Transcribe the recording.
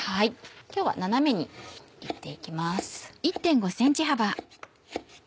今日は斜めに切って行きます。